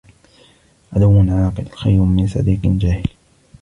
عَدُوُّ عَاقِلٌ خَيْرٌ مِنْ صَدِيقٍ جَاهِلٍ.